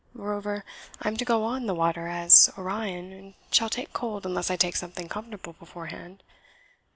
Moreover, I am to go on the water as Orion, and shall take cold unless I take something comfortable beforehand.